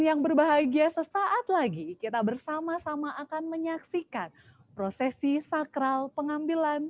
yang berbahagia sesaat lagi kita bersama sama akan menyaksikan prosesi sakral pengambilan